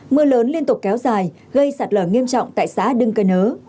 mưa lớn liên tục kéo dài gây sạt lở nghiêm trọng tại xã đưng cân nớ